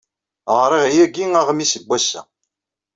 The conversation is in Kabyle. Ɣriɣ yagi aɣmis n wass-a.